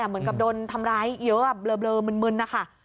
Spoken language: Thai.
เหมือนกับโดนทำร้ายเยอะเบลอมึนนะคะ